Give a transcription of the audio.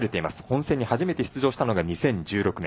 本戦に初めて出場したのが２０１６年。